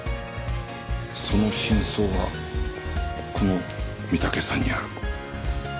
その真相はこの御岳山にある